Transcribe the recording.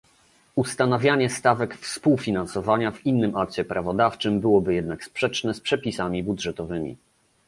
Ustanawianie stawek współfinansowania w innym akcie prawodawczym byłoby jednak sprzeczne z przepisami budżetowymi